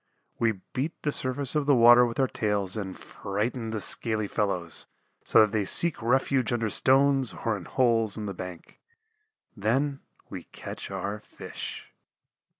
We beat the surface of the water with our tails and frighten the scaly fellows so that they seek refuge under stones or in holes in the bank. Then we catch our Fish.